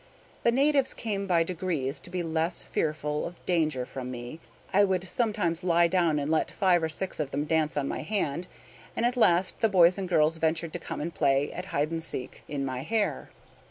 The natives came by degrees to be less fearful of danger from me. I would sometimes lie down and let five or six of them dance on my hand; and at last the boys and girls ventured to come and play at hide and seek in my hair.